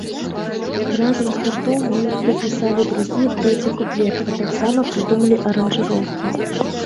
Разам з гуртом, мы дапісалі другі і трэці куплет, а таксама прыдумалі аранжыроўкі.